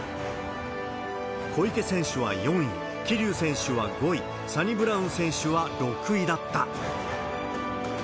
小池選手は４位、桐生選手は５位、サニブラウン選手は６位だった。